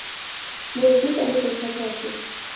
বলে দিস আমি তোর সাথে আছি।